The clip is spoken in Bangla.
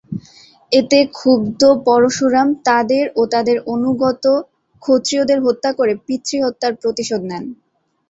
এতে ক্ষুব্ধ পরশুরাম তাদের ও তাদের অনুগত ক্ষত্রিয়দের হত্যা করে পিতৃহত্যার প্রতিশোধ নেন।